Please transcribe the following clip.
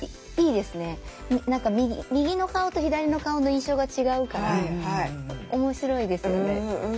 右の顔と左の顔の印象が違うから面白いですよね。